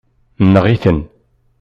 Neɣ-iten.